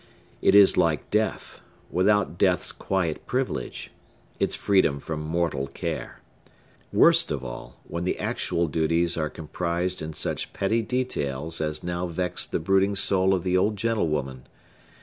It is like death, without death's quiet privilege,—its freedom from mortal care. Worst of all, when the actual duties are comprised in such petty details as now vexed the brooding soul of the old gentlewoman.